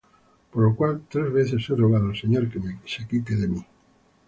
Por lo cual tres veces he rogado al Señor, que se quite de mí.